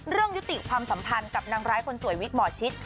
ยุติความสัมพันธ์กับนางร้ายคนสวยวิกหมอชิด